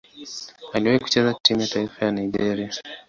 Aliwahi kucheza timu ya taifa ya Nigeria.